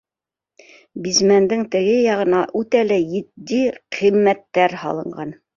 Бизмәндең теге яғына үтә лә етди ҡиммәттәр һалынған.